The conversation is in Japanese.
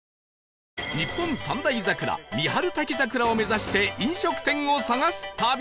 日本三大桜三春滝桜を目指して飲食店を探す旅